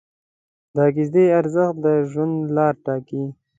د عقیدې ارزښت د ژوند لار ټاکي.